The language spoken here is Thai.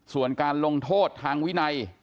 ส่วนการลงโทษทางวินัย